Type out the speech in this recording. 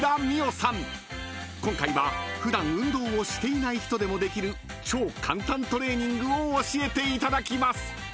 ［今回は普段運動をしていない人でもできる超簡単トレーニングを教えていただきます］